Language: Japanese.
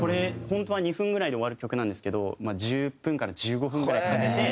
本当は２分ぐらいで終わる曲なんですけど１０分から１５分ぐらいかけて。